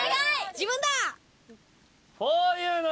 自分だ！